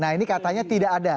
nah ini katanya tidak ada